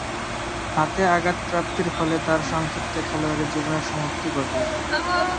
হাতে আঘাতপ্রাপ্তির ফলে তার সংক্ষিপ্ত খেলোয়াড়ী জীবনের সমাপ্তি ঘটে।